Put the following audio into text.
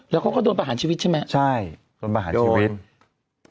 แล้วเขาก็โดนประหารชีวิตใช่ไหมใช่โดนประหารชีวิต